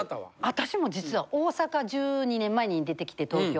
私も実は大阪１２年前に出てきて東京に。